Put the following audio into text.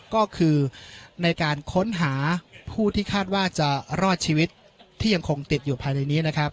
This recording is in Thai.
ก็คือในการค้นหาผู้ที่คาดว่าจะรอดชีวิตที่ยังคงติดอยู่ภายในนี้นะครับ